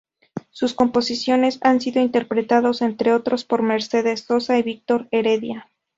Sus composiciones han sido interpretados entre otros por Mercedes Sosa y Víctor Heredia.